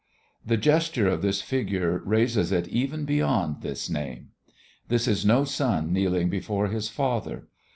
The gesture of this figure raises it even beyond this name. This is no son kneeling before his father.